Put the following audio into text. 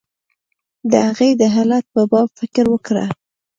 د هغې د علت په باب فکر وکړه.